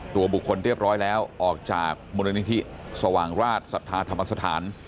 ตัวบุคคลเรียบร้อยแล้วออกจากมูลนิธิสว่างราชศรัทธาธรรมสถาน